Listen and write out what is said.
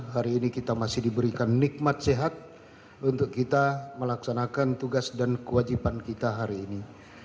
hari ini kita masih diberikan nikmat sehat untuk kita melaksanakan tugas dan kewajiban kita hari ini